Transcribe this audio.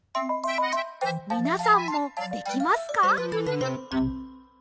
みなさんもできますか？